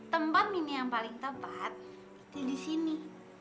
tempat ini yang paling tepat itu di sini